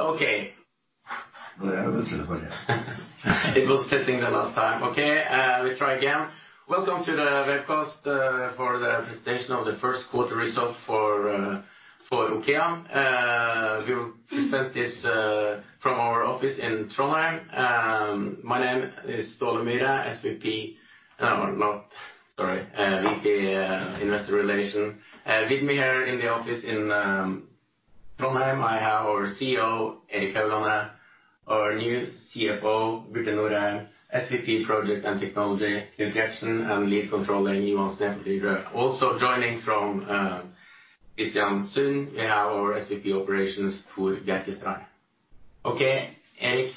Okay. It was testing the last time. Okay, we try again. Welcome to the webcast for the presentation of the first quarter result for OKEA. We will present this from our office in Trondheim. My name is Ole Myhre, VP, Investor Relations. With me here in the office in Trondheim, I have our CEO, Erik Haugane, our new CFO, Birte Norheim, SVP Project and Technology, Knut Gjertsen, and Lead Controller, Ivan Snefjell. Also joining from Kristiansund, we have our SVP Operations, Tor Bjerkestrand. Okay, Erik.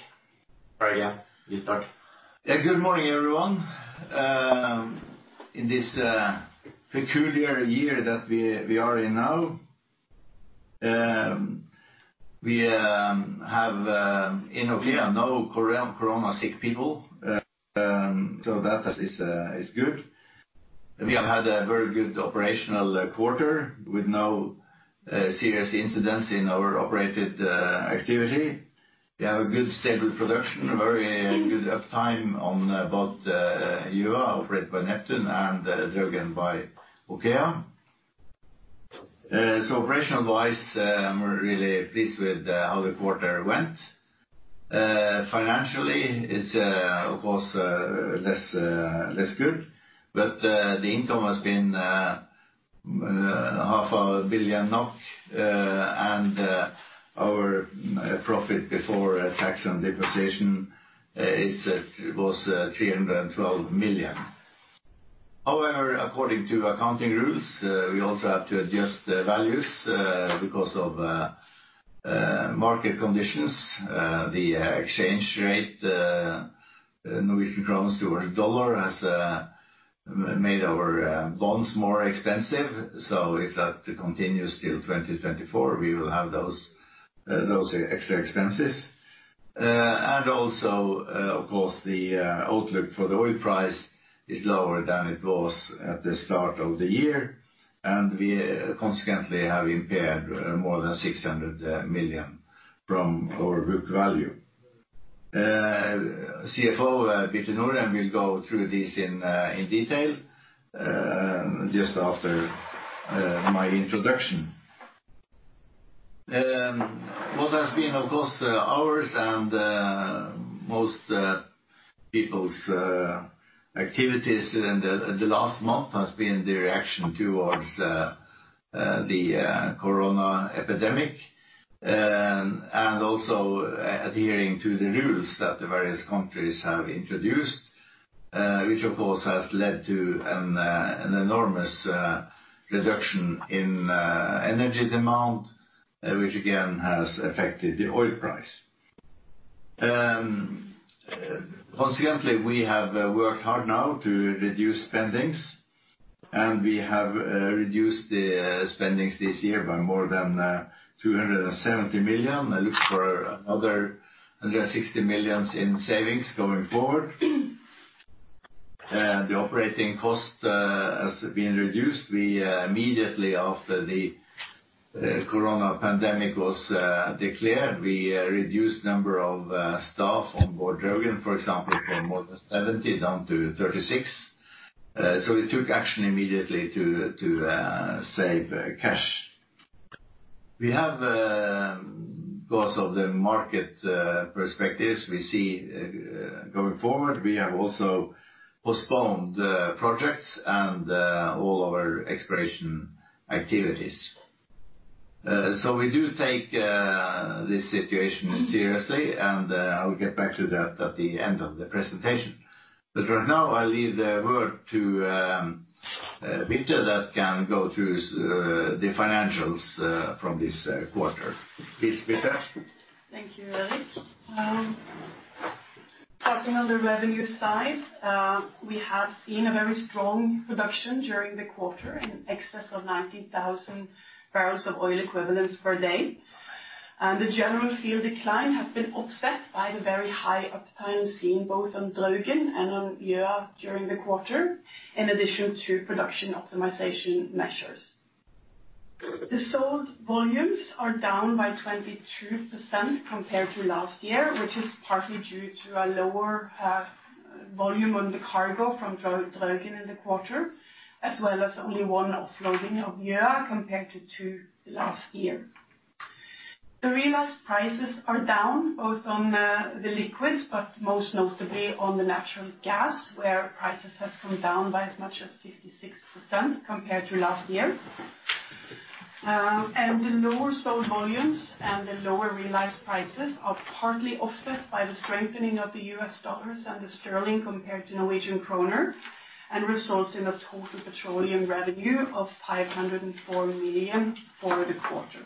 Try again. You start. Good morning, everyone. In this peculiar year that we are in now, we have, in OKEA, no Corona sick people. That is good. We have had a very good operational quarter with no serious incidents in our operated activity. We have a good, stable production, very good uptime on both Gjøa, operated by Neptune, and Draugen by OKEA. Operational-wise, I'm really pleased with how the quarter went. Financially it's, of course, less good. The income has been half a billion NOK, and our profit before tax and depreciation was 312 million. However, according to accounting rules, we also have to adjust the values because of market conditions. The exchange rate, Norwegian kroner to US dollar, has made our bonds more expensive. If that continues till 2024, we will have those extra expenses. Of course, the outlook for the oil price is lower than it was at the start of the year, and we consequently have impaired more than 600 million from our book value. CFO, Birte Norheim, will go through this in detail just after my introduction. What has been, of course, ours and most people's activities in the last month has been the reaction towards the corona epidemic. Adhering to the rules that the various countries have introduced, which, of course, has led to an enormous reduction in energy demand, which again has affected the oil price. Consequently, we have worked hard now to reduce spendings, and we have reduced the spendings this year by more than 270 million. I look for another 160 million in savings going forward. The operating cost has been reduced. Immediately after the COVID-19 pandemic was declared, we reduced number of staff on board Draugen, for example, from more than 70 down to 36. We took action immediately to save cash. We have, because of the market perspectives we see going forward, we have also postponed projects and all our exploration activities. We do take this situation seriously, and I will get back to that at the end of the presentation. For now, I leave the word to Birte that can go through the financials from this quarter. Please, Birte. c Thank you, Erik. Talking on the revenue side, we have seen a very strong production during the quarter, in excess of 90,000 barrels of oil equivalents per day. The general field decline has been offset by the very high uptime seen both on Draugen and on Gjøa during the quarter, in addition to production optimization measures. The sold volumes are down by 22% compared to last year, which is partly due to a lower volume on the cargo from Draugen in the quarter, as well as only one offloading of Gjøa compared to two last year. The realized prices are down both on the liquids, but most notably on the natural gas, where prices have come down by as much as 56% compared to last year. The lower sold volumes and the lower realized prices are partly offset by the strengthening of the U.S. dollars and the sterling compared to Norwegian kroner, and results in a total petroleum revenue of 504 million for the quarter.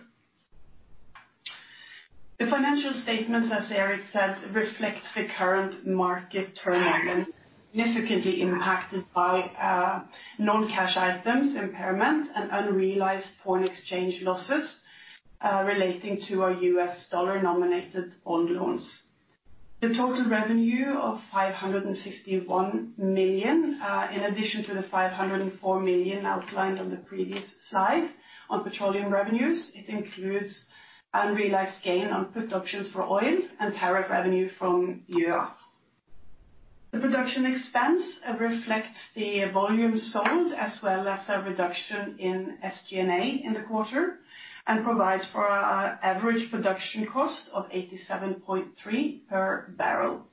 The financial statements, as Erik said, reflect the current market turbulence, significantly impacted by non-cash items, impairment, and unrealized foreign exchange losses relating to our USD-nominated bond loans. The total revenue of 561 million, in addition to the 504 million outlined on the previous slide on petroleum revenues. It includes unrealized gain on productions for oil and tariff revenue from Yme. The production expense reflects the volume sold, as well as a reduction in SG&A in the quarter, and provides for our average production cost of 87.3 per barrel.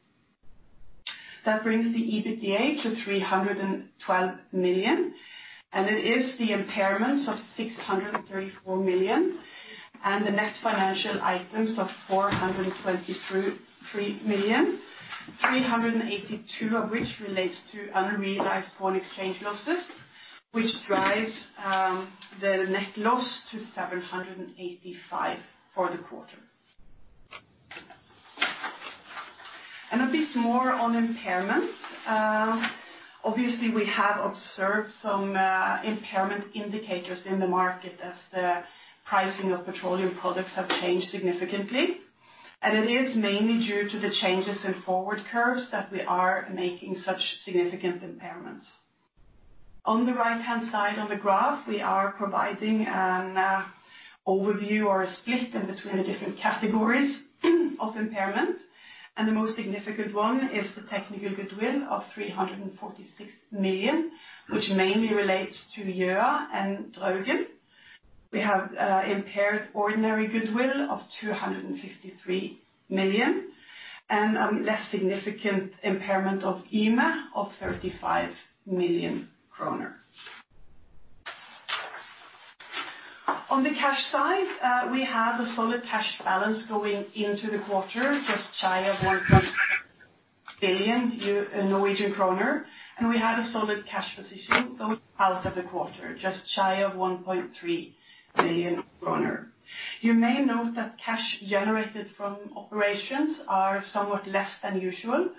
That brings the EBITDA to 312 million, and it is the impairments of 634 million, and the net financial items of 423 million, 382 of which relates to unrealized foreign exchange losses, which drives the net loss to 785 for the quarter. A bit more on impairment. Obviously, we have observed some impairment indicators in the market as the pricing of petroleum products have changed significantly. It is mainly due to the changes in forward curves that we are making such significant impairments. On the right-hand side on the graph, we are providing an overview or a split in between the different categories of impairment, and the most significant one is the technical goodwill of 346 million, which mainly relates to year-end Draugen. We have impaired ordinary goodwill of 253 million and a less significant impairment of Yme of 35 million kroner. On the cash side, we have a solid cash balance going into the quarter, just shy of 1.7 billion Norwegian kroner, and we had a solid cash position going out of the quarter, just shy of 1.3 billion kroner. You may note that cash generated from operations are somewhat less than usual.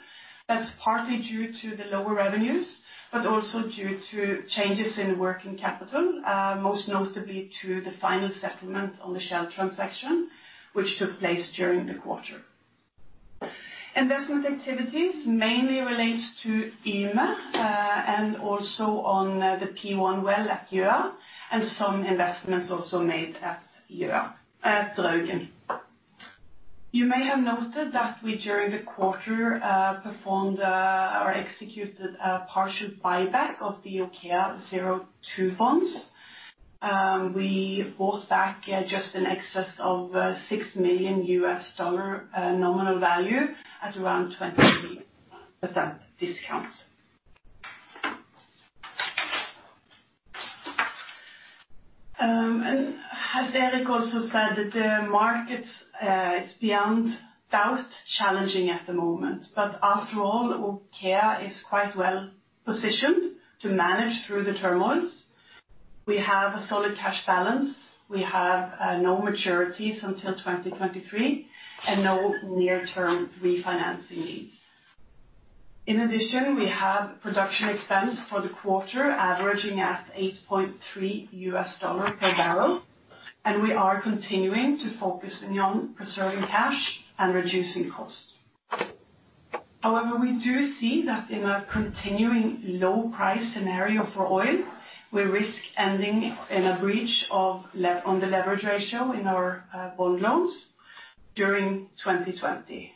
That's partly due to the lower revenues, but also due to changes in working capital, most notably to the final settlement on the Shell transaction, which took place during the quarter. Investment activities mainly relates to Yme, and also on the P1 well at Gjøa, and some investments also made at Gjøa, at Draugen. You may have noted that we during the quarter, performed, or executed a partial buyback of the OKEA02 bonds. We bought back just in excess of $6 million nominal value at around 20% discount. As Erik also said that the market is beyond doubt challenging at the moment. After all, OKEA is quite well-positioned to manage through the turmoils. We have a solid cash balance. We have no maturities until 2023 and no near-term refinancing needs. In addition, we have production expense for the quarter averaging at $8.3 per barrel, and we are continuing to focus in on preserving cash and reducing costs. However, we do see that in a continuing low price scenario for oil, we risk ending in a breach on the leverage ratio in our bond loans during 2020.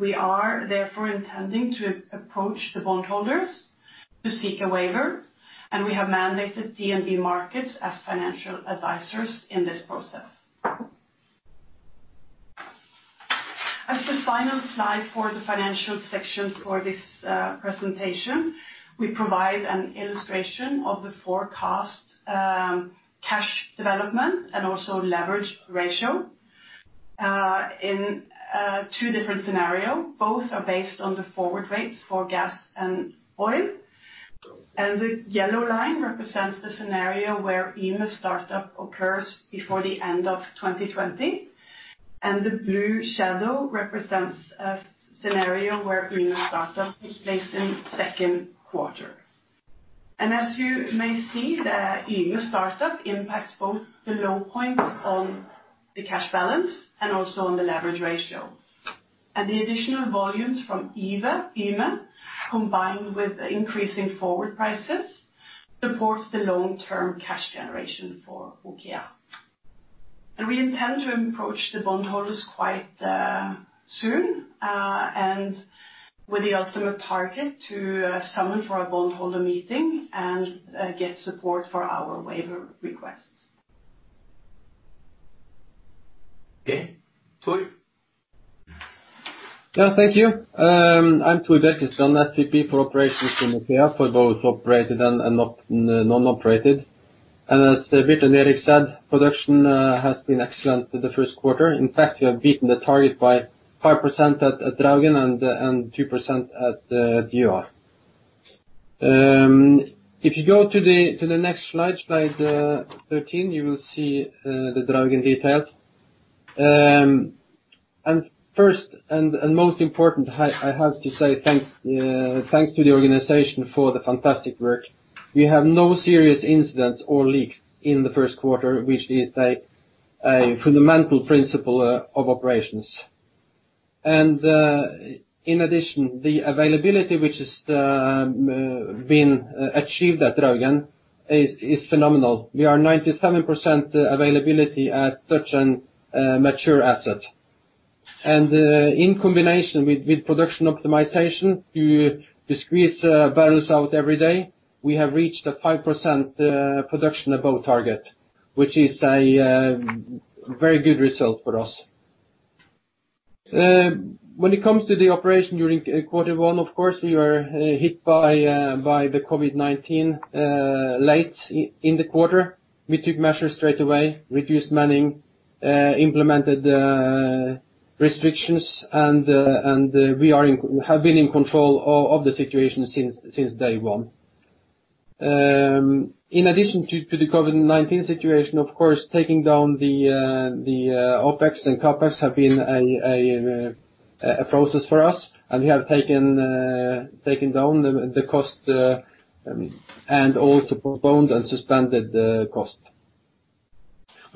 We are therefore intending to approach the bondholders to seek a waiver, and we have mandated DNB Markets as financial advisors in this process. As the final slide for the financial section for this presentation, we provide an illustration of the forecast cash development and also leverage ratio, in two different scenario. Both are based on the forward rates for gas and oil. The yellow line represents the scenario where Yme startup occurs before the end of 2020. The blue shadow represents a scenario where Yme startup takes place in second quarter. As you may see, the Yme startup impacts both the low point on the cash balance and also on the leverage ratio. The additional volumes from Yme, combined with the increase in forward prices supports the long-term cash generation for OKEA. We intend to approach the bondholders quite soon, and with the ultimate target to summon for a bondholder meeting and get support for our waiver requests. Okay. Tord. Yeah. Thank you. I'm Tor Bjerkestrand, SVP for operations in OKEA for both operated and non-operated. As Birte Myhrstad and Eric said, production has been excellent for the first quarter. In fact, we have beaten the target by 5% at Draugen and 2% at Gjøa. If you go to the next slide 13, you will see the Draugen details. First and most important, I have to say thanks to the organization for the fantastic work. We have no serious incidents or leaks in the first quarter, which is a fundamental principle of operations. In addition, the availability which has been achieved at Draugen is phenomenal. We are 97% availability at such a mature asset. In combination with production optimization, you squeeze barrels out every day. We have reached a 5% production above target, which is a very good result for us. When it comes to the operation during quarter one, of course, we were hit by the COVID-19 late in the quarter. We took measures straight away, reduced manning, implemented restrictions, we have been in control of the situation since day one. In addition to the COVID-19 situation, of course, taking down the OpEx and CapEx have been a process for us, we have taken down the cost, also postponed and suspended the cost.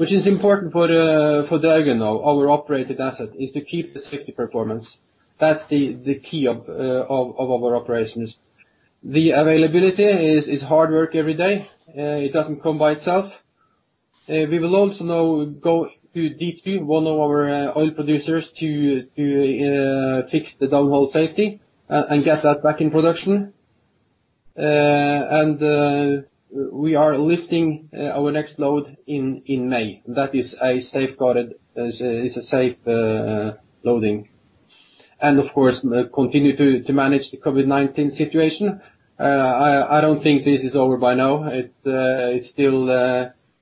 Which is important for Draugen, our operated asset, is to keep the safety performance. That's the key of our operations. The availability is hard work every day. It doesn't come by itself. We will also now go to D2, one of our oil producers, to fix the downhole safety and get that back in production. We are lifting our next load in May. That is a safeguarded, safe loading. Of course, continue to manage the COVID-19 situation. I don't think this is over by now.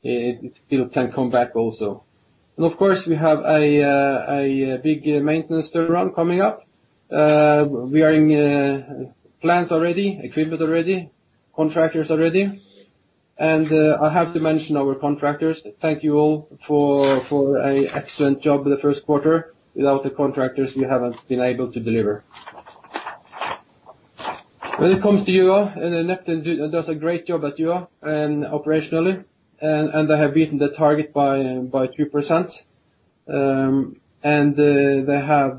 It still can come back also. Of course, we have a big maintenance turnaround coming up. We are in plans already, equipment all ready, contractors all ready. I have to mention our contractors. Thank you all for a excellent job the first quarter. Without the contractors, we haven't been able to deliver. When it comes to Yoho, and Neptune does a great job at Yoho operationally, and they have beaten the target by 2%. They have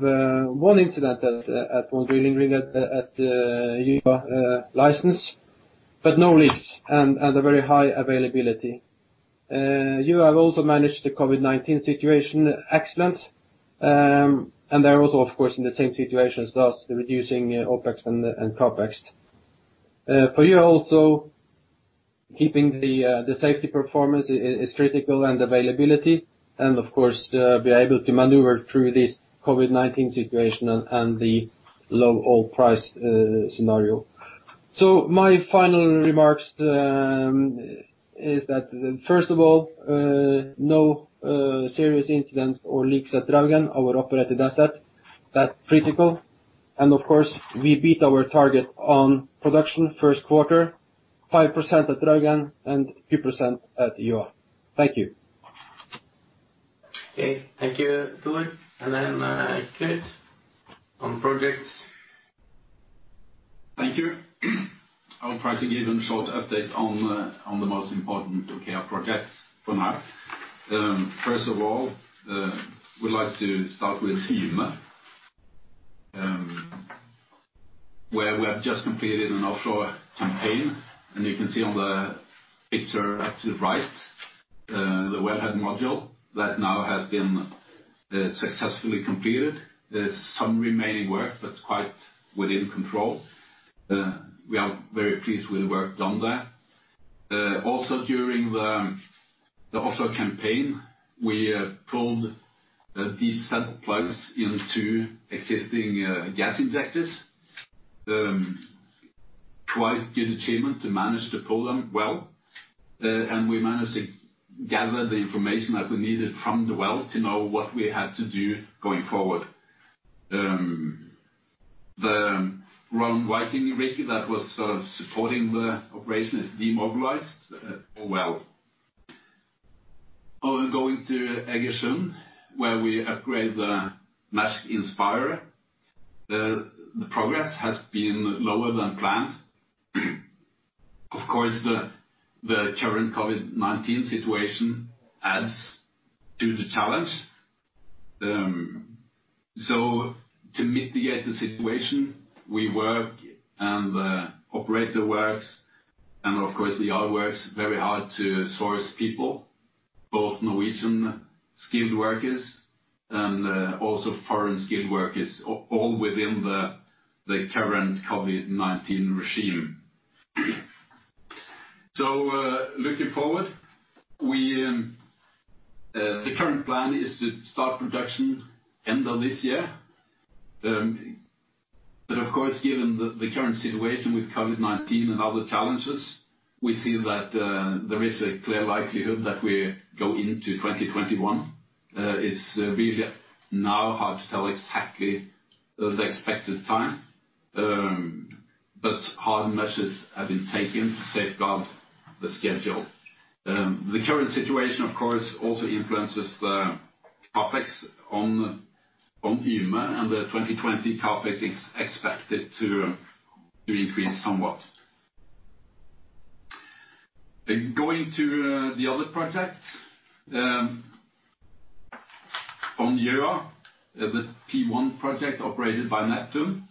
one incident at one drilling rig at the Yoho license, but no leaks, and a very high availability. Yoho have also managed the COVID-19 situation excellent, and they're also, of course, in the same situation as us, the reducing OpEx and CapEx. For Yoho also, keeping the safety performance is critical and availability, and of course, be able to maneuver through this COVID-19 situation and the low oil price scenario. My final remarks is that first of all, no serious incidents or leaks at Draugen, our operated asset. That's critical. Of course, we beat our target on production first quarter, 5% at Draugen and 2% at Yoho. Thank you. Okay. Thank you, Tor. Then Knut on projects. Thank you. I'll try to give a short update on the most important OKEA projects for now. First of all, we'd like to start with Yme, where we have just completed an offshore campaign, and you can see on the picture up to the right, the wellhead module that now has been successfully completed. There's some remaining work that's quite within control. We are very pleased with the work done there. During the offshore campaign, we pulled deep set plugs into existing gas injectors. Quite good achievement to manage to pull them well. We managed to gather the information that we needed from the well to know what we had to do going forward. The Rowan Viking rig that was sort of supporting the operation is demobilized as well. Going to Egersund, where we upgrade the Maersk Inspirer. The progress has been lower than planned. The current COVID-19 situation adds to the challenge. To mitigate the situation, we work and the operator works, and of course the yard works very hard to source people, both Norwegian skilled workers and also foreign skilled workers, all within the current COVID-19 regime. Looking forward, the current plan is to start production end of this year. Of course, given the current situation with COVID-19 and other challenges, we see that there is a clear likelihood that we go into 2021. It's really now hard to tell exactly the expected time, but hard measures have been taken to safeguard the schedule. The current situation, of course, also influences on Yme and the 2020 CapEx is expected to increase somewhat. Going to the other projects. On Gjøa, the P1 project operated by Neptune.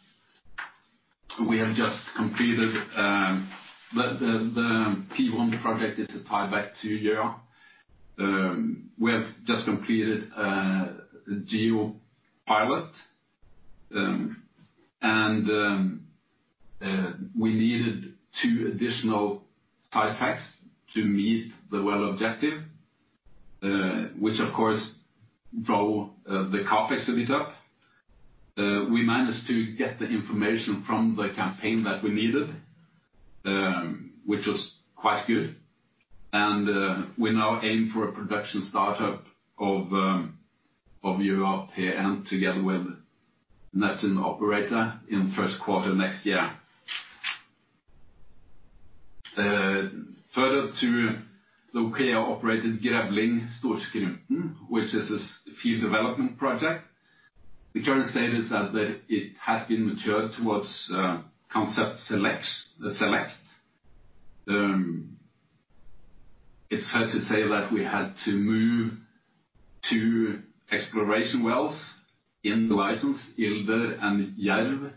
The P1 project is to tie back to Gjøa. We have just completed a Gjøa P1, and we needed two additional side tracks to meet the well objective, which of course drove the CapEx a bit up. We managed to get the information from the campaign that we needed, which was quite good. We now aim for a production startup of Gjøa P1 together with Neptune in first quarter next year. Further to the OKEA-operated Grevling/Storskrynten, which is a field development project. The current status is that it has been matured towards concept select. It's fair to say that we had to move two exploration wells in the license, Ilder and Jerv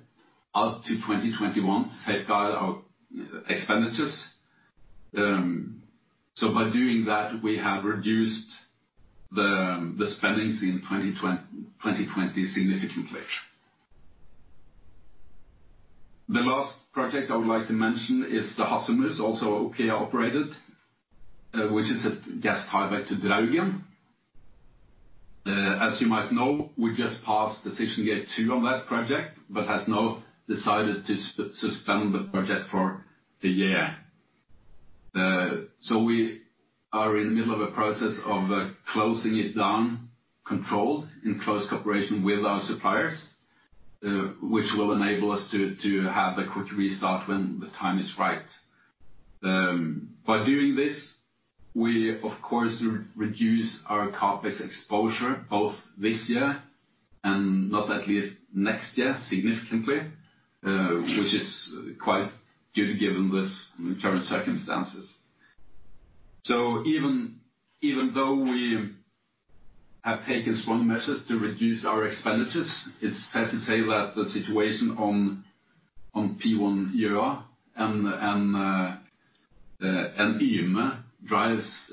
out to 2021 to safeguard our expenditures. By doing that, we have reduced the spendings in 2020 significantly. The last project I would like to mention is the Hasselmus, also OKEA operated, which is a gas tie-back to Draugen. As you might know, we just passed decision gate 2 on that project, have now decided to suspend the project for a year. We are in the middle of a process of closing it down, controlled in close cooperation with our suppliers, which will enable us to have a quick restart when the time is right. By doing this, we of course reduce our CapEx exposure both this year and not at least next year significantly, which is quite good given the current circumstances. Even though we have taken strong measures to reduce our expenditures, it's fair to say that the situation on Gjøa P1 and Yme drives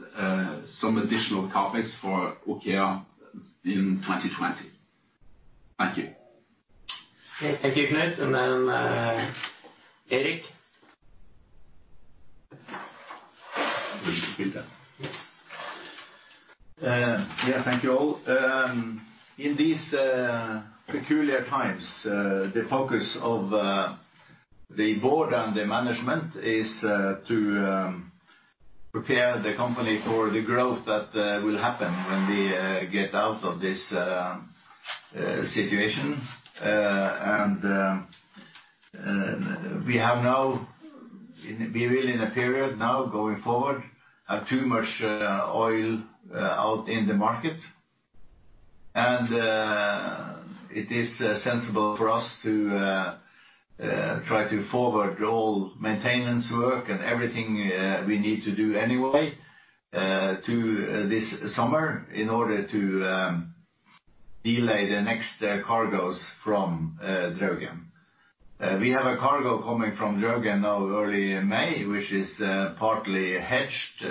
some additional CapEx for OKEA in 2020. Thank you. Okay. Thank you, Knut. Erik. Yeah, thank you all. In these peculiar times, the focus of the board and the management is to prepare the company for the growth that will happen when we get out of this situation. We are really in a period now going forward of too much oil out in the market. It is sensible for us to try to forward all maintenance work and everything we need to do anyway to this summer in order to delay the next cargoes from Draugen. We have a cargo coming from Draugen now early May, which is partly hedged.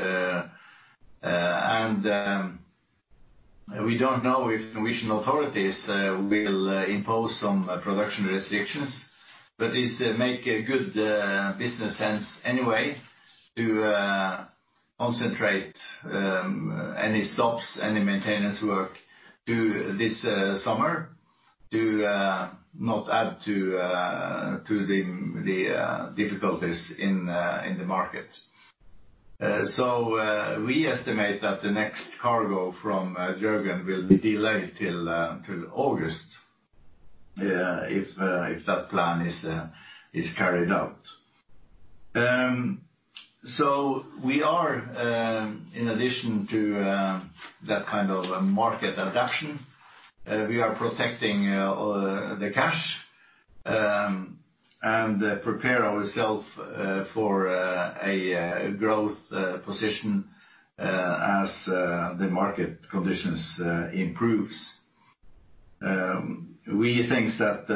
We don't know if the Norwegian authorities will impose some production restrictions, but it make good business sense anyway to concentrate any stops, any maintenance work to this summer to not add to the difficulties in the market. We estimate that the next cargo from Draugen will be delayed till August, if that plan is carried out. We are, in addition to that kind of market adaptation, we are protecting the cash, and prepare ourselves for a growth position as the market conditions improve. We think that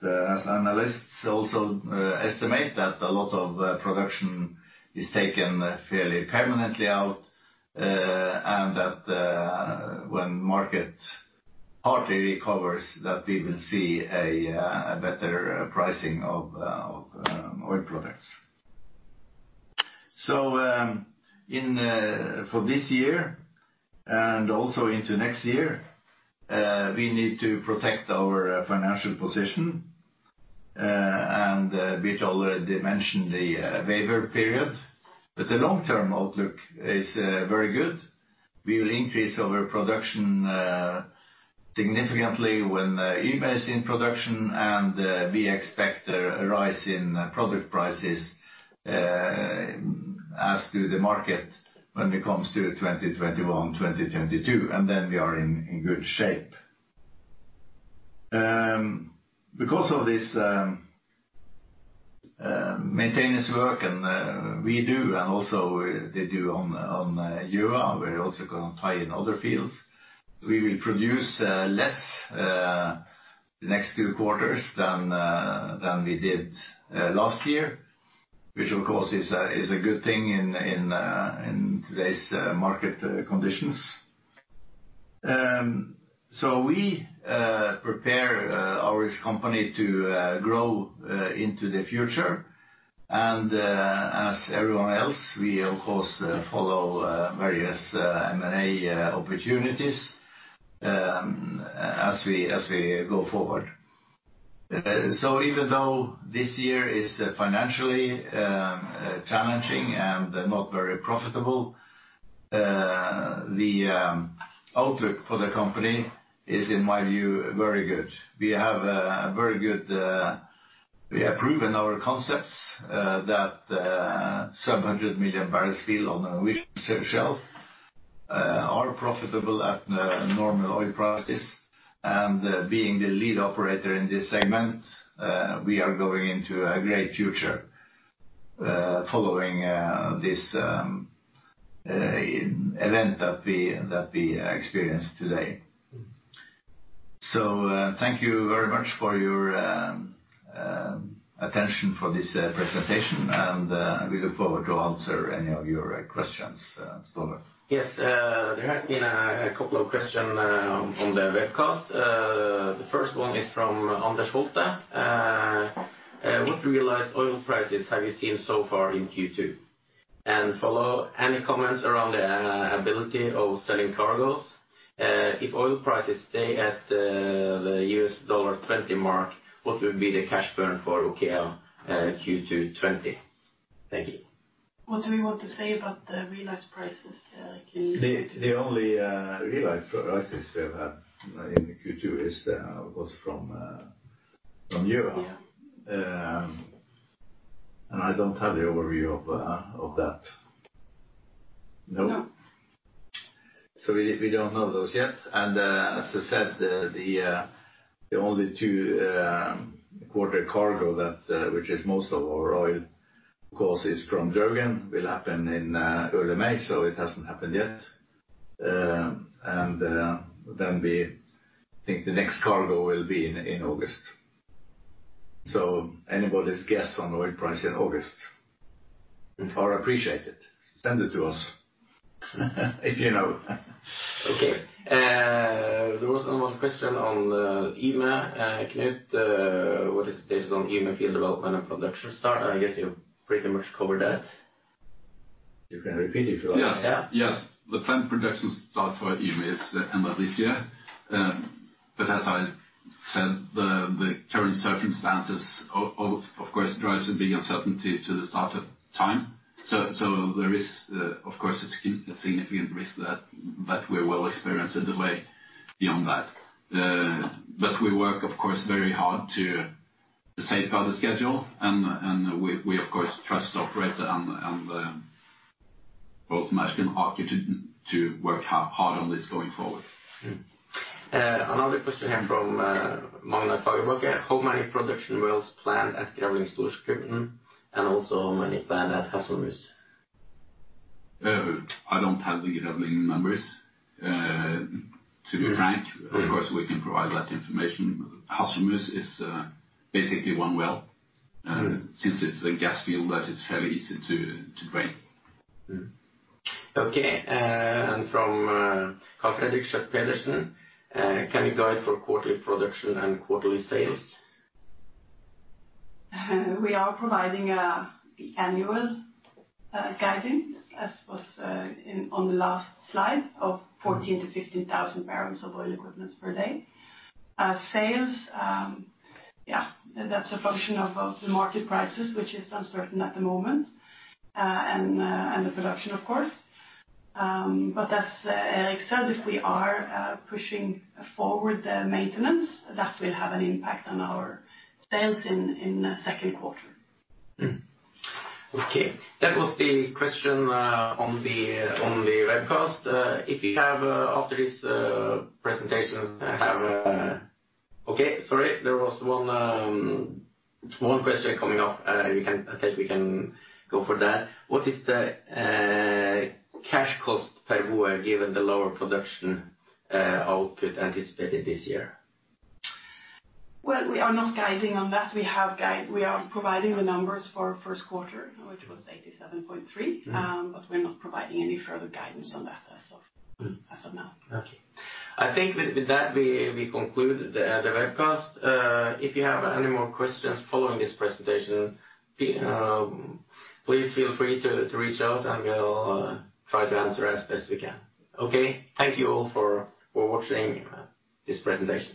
as analysts also estimate that a lot of production is taken fairly permanently out, and that when market partly recovers, that we will see a better pricing of oil products. For this year and also into next year, we need to protect our financial position, and we already mentioned the waiver period. The long-term outlook is very good. We will increase our production significantly when Yme is in production, and we expect a rise in product prices as to the market when it comes to 2021, 2022. We are in good shape. Because of this maintenance work we do and also they do on Yme, we're also going to tie in other fields. We will produce less the next few quarters than we did last year, which of course is a good thing in today's market conditions. We prepare our company to grow into the future, and as everyone else, we of course follow various M&A opportunities as we go forward. Even though this year is financially challenging and not very profitable, the outlook for the company is, in my view, very good. We have proven our concepts that 700 million barrels of oil on the Norwegian shelf are profitable at normal oil prices. Being the lead operator in this segment, we are going into a great future following this event that we experience today. Thank you very much for your attention for this presentation, and we look forward to answer any of your questions. Ståle. Yes. There has been a couple of questions on the webcast. The first one is from Anders Faalta. What realized oil prices have you seen so far in Q2? Follow, any comments around the ability of selling cargoes? If oil prices stay at the $20 mark, what will be the cash burn for OKEA Q2 2020? Thank you. What do we want to say about the realized prices, Erik? The only realized prices we have had in Q2 was from Yme. Yme. I don't have the overview of that. No? No. We don't know those yet. As I said, the only two quarter cargo which is most of our oil, of course, is from Draugen, will happen in early May, so it hasn't happened yet. Then we think the next cargo will be in August. Anybody's guess on the oil price in August are appreciated. Send it to us if you know. Okay. There was one more question on Yme. Knut, what is the status on Yme field development and production start? I guess you pretty much covered that. You can repeat if you like. Yeah. Yes. The planned production start for Yme is end of this year. As I said, the current circumstances, of course, drives a big uncertainty to the start of time. There is, of course, a significant risk that we will experience a delay beyond that. We work, of course, very hard to safeguard the schedule, and we, of course, trust the operator and the ultimate arc to work hard on this going forward. Another question here from Magnus Fagerbakke. How many production wells planned at Grevling/Storskrynten, and also many planned at Hasselmus? I don't have the Grevling numbers, to be frank. Of course, we can provide that information. Hasselmus is basically one well. Since it's a gas field that is fairly easy to drain. Okay. From Carl Fredrik Pedersen. Can you guide for quarterly production and quarterly sales? We are providing the annual guidance, as was on the last slide, of 14,000-15,000 barrels of oil equivalents per day. Sales, yeah, that's a function of the market prices, which is uncertain at the moment, and the production, of course. As Erik said, if we are pushing forward the maintenance, that will have an impact on our sales in the second quarter. Okay. That was the question on the webcast. If you have, after this presentation, Okay, sorry. There was one small question coming up. I think we can go for that. What is the cash cost per boe given the lower production output anticipated this Yme? Well, we are not guiding on that. We are providing the numbers for first quarter, which was 87.3. We're not providing any further guidance on that as of now. Okay. I think with that, we conclude the webcast. If you have any more questions following this presentation, please feel free to reach out and we'll try to answer as best we can. Okay. Thank you all for watching this presentation.